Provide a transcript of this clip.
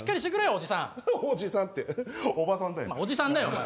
おじさんだよお前。